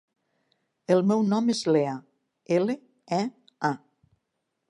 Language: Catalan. El meu nom és Lea: ela, e, a.